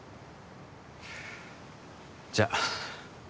じゃあ。